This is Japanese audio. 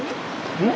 うん？